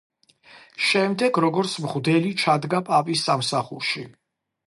შემდეგ როგორც მღვდელი ჩადგა პაპის სამსახურში.